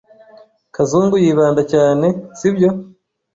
Kazungu yibanda cyane, sibyo?